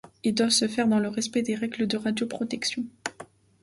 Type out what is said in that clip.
Ils doivent se faire dans le respect des règles de radioprotection.